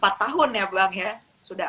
empat tahun ya bang ya sudah